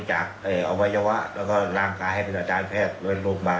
ออกก่อนไม่ได้แล้วก็ในไหนเราตั้งใจอันนี้ไม่ได้แล้วก็เอาอันนู้นไป